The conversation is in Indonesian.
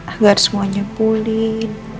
agar semuanya pulih